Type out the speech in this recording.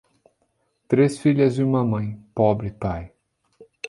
Três filhas e uma mãe, pobre pai.